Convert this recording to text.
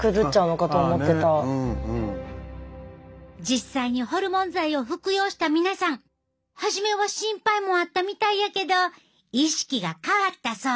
実際にホルモン剤を服用した皆さん初めは心配もあったみたいやけど意識が変わったそうやで！